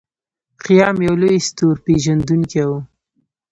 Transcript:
خیام یو لوی ستورپیژندونکی و.